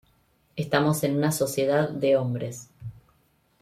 Estamos en una sociedad de hombres.